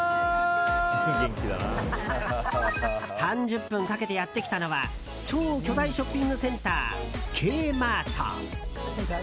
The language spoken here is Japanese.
３０分かけてやってきたのは超巨大ショッピングセンターＫマート。